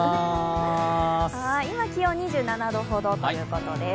今、気温２７度ほどということです。